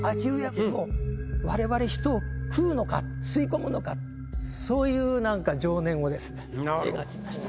だから吸い込むのかそういうなんか情念をですね描きました。